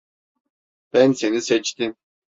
Ben seni seçtim.